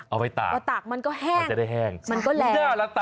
เอาไปตากมันจะได้แห้งมันก็แรงไม่ได้แล้ว